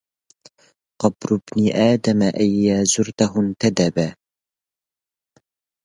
قبر ابن آدم أيا زرته انتدبا